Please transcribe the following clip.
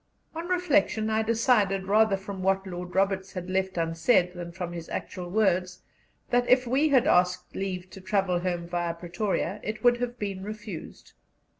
On reflection, I decided, rather from what Lord Roberts had left unsaid than from his actual words, that if we had asked leave to travel home via Pretoria, it would have been refused.